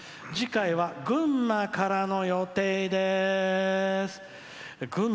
次回は群馬からの予定でーす！